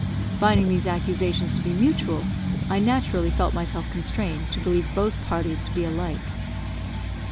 Finding these accusations to be mutual, I naturally felt myself constrained to believe both parties to be alike.